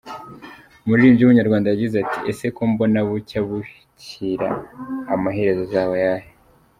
Umuririmbyi w’umunyarwanda yagize ati “ese ko mbona bucya bukira amaherezo azaba ayahe?”.